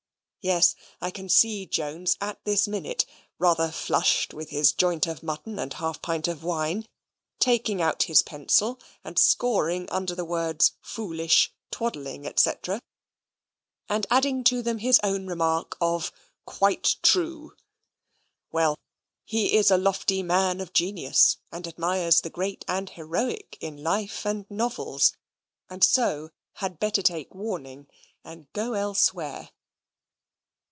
Yes; I can see Jones at this minute (rather flushed with his joint of mutton and half pint of wine), taking out his pencil and scoring under the words "foolish, twaddling," &c., and adding to them his own remark of "QUITE TRUE." Well, he is a lofty man of genius, and admires the great and heroic in life and novels; and so had better take warning and go elsewhere.